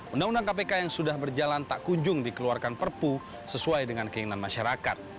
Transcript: undang undang kpk yang sudah berjalan tak kunjung dikeluarkan perpu sesuai dengan keinginan masyarakat